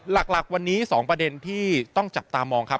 หลักวันนี้๒ประเด็นที่ต้องจับตามองครับ